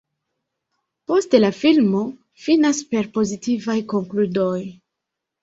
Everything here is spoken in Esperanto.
Poste la filmo finas per pozitivaj konkludoj.